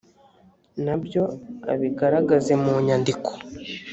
na byo abigaragaze mu nyandiko